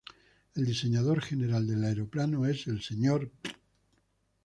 El diseñador general del aeroplano es Mr.